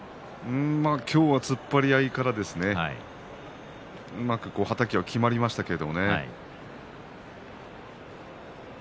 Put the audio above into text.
突っ張り合いからうまくはたきがきまりましたけど。